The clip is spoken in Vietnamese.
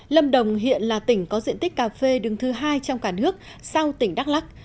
lâm đồng hiện là tỉnh có diện tích cà phê đứng thứ hai trong cả nước sau tỉnh đắk lắc